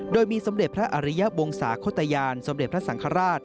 โดยมีสมเด็จพระอริยวงศาโคตยานสมเด็จพระสังฆราช